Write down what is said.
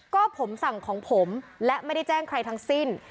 ก็ผมสั่งของผมและไม่ได้แจ้งใครทั้งสิ้น